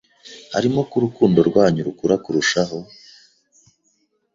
harimo ko urukundo rwanyu rukura kurushaho?